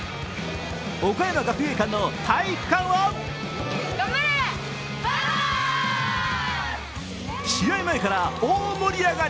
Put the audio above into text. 岡山学芸館の体育館は試合前から大盛り上がり。